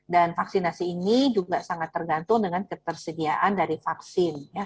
dan vaksinasi ini juga sangat tergantung dengan ketersediaan dari vaksin